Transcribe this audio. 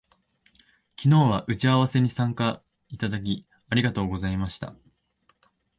昨日は打ち合わせに参加いただき、ありがとうございました